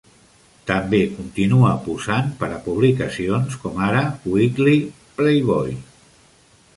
També continua posant per a publicacions com ara "Weekly Playboy".